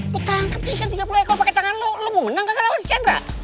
lo tangkep ikan tiga puluh ekor pake tangan lo lo mau menang gak lawan si cadra